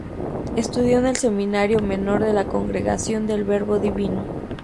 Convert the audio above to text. Estudió en el seminario menor de la Congregación del Verbo Divino.